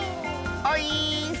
オイーッス！